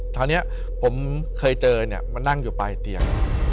คราวนี้ผมเคยเจอเนี่ยมานั่งอยู่ปลายเตียง